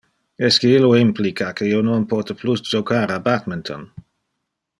Esque illo implica que io non pote plus jocar a badminton?